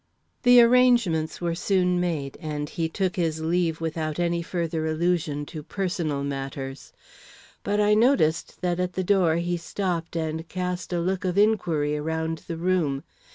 The arrangements were soon made, and he took his leave without any further allusion to personal matters. But I noticed that at the door he stopped and cast a look of inquiry around the room.